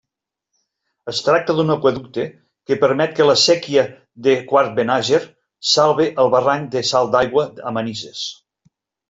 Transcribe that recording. Es tracta d'un aqüeducte que permet que la séquia de Quart-Benàger salve el barranc del Salt d'Aigua a Manises.